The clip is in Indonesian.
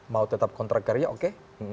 mau tetap kontrak karya oke